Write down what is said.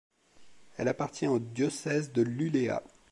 Elle appartient au Diocèse de Luleå.